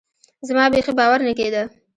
زما بيخي باور نه کېده.